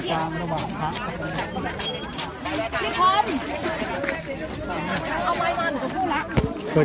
ก็ไม่มีใครกลับมาเมื่อเวลาอาทิตย์เกิดขึ้น